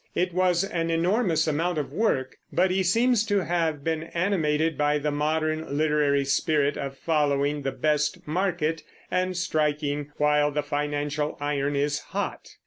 It was an enormous amount of work; but he seems to have been animated by the modern literary spirit of following the best market and striking while the financial iron is hot.